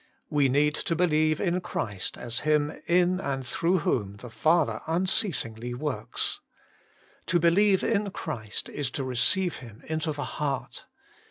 We need to believe in Christ as Him in and through whom the Father un ceasingly works. To believe in Christ is to receive Him into the heart.